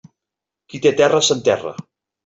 Qui té terra, s'enterra.